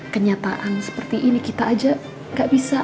kenyataan seperti ini kita aja gak bisa